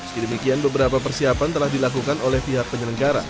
sedemikian beberapa persiapan telah dilakukan oleh pihak penyelenggara